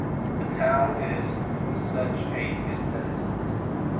The town is such a distance.